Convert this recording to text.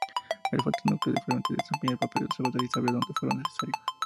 El fuerte núcleo de Infantería desempeñaba el papel de reserva utilizable donde fuera necesario.